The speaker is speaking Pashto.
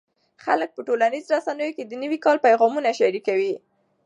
خلک په ټولنیزو رسنیو کې د نوي کال پیغامونه شریکوي.